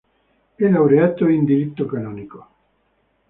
È laureato in diritto canonico.